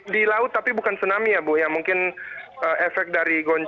di laut tapi bukan tsunami ya bu ya mungkin efek dari goncangan